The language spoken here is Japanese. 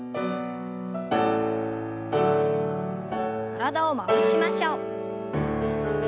体を回しましょう。